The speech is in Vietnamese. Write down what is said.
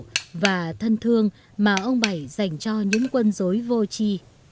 đây là công việc thân thương mà ông bảy dành cho những quân dối vô trì